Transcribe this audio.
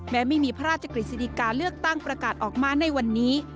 ไม่มีพระราชกฤษฎิกาเลือกตั้งประกาศออกมาในวันนี้